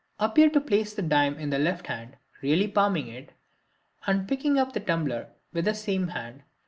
Appear to place the dime in the left hand, really palming it, and picking up the tumbler with the same hand.